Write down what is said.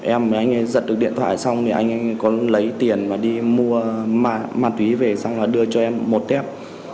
em với anh ấy giật được điện thoại xong thì anh ấy có lấy tiền và đi mua mặt túy về xong rồi đưa cho em một tép